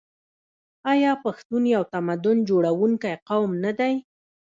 آیا پښتون یو تمدن جوړونکی قوم نه دی؟